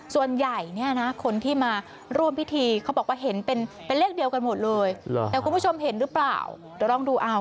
ส่วนใหญ่เนี่ยนะคนที่มาร่วมพิธีเขาบอกว่าเห็นเป็นเลขเดียวกันหมดเลยแต่คุณผู้ชมเห็นหรือเปล่าเดี๋ยวลองดูเอา